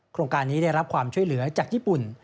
โครงการนี้ได้รับความช่วยเหลือจากญี่ปุ่น